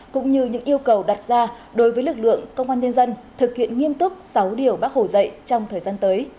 cũng như những yêu cầu đặt ra đối với lực lượng công an nhân dân thực hiện nghiêm túc sáu điều bác hồ dạy trong thời gian tới